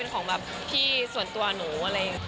กับพี่ส่วนตัวหนูอะไรอย่างงั้น